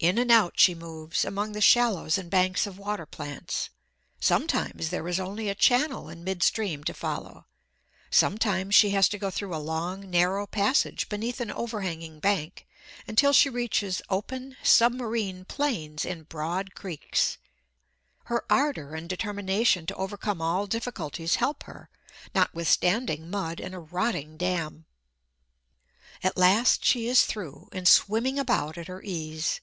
In and out she moves, among the shallows and banks of water plants. Sometimes there is only a channel in mid stream to follow, sometimes she has to go through a long, narrow passage beneath an over hanging bank, until she reaches open, submarine plains in broad creeks. Her ardour and determination to overcome all difficulties help her, notwithstanding mud and a rotting dam. At last she is through, and swimming about at her ease.